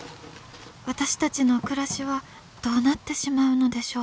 私たちの暮らしはどうなってしまうのでしょう」。